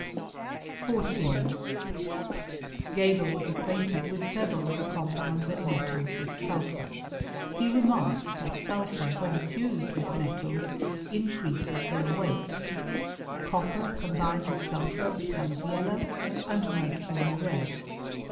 "t •14. Geber was acquainted with several of the com pounds of metals with sulphur. He remarks that snlphur when fused with metals increases their weight, t Copp^ combined with sulphur becomes yellow, and mercury red.